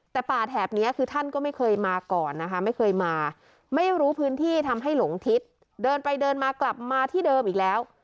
แต่ป่าแถบนี้คือท่านก็ไม่เคยมาก่อนนะคะไม่เคยมาไม่รู้พื้นที่ทำให้หลงทิศเดินไปเดินมากลับมาที่เดิมอีกแล้ว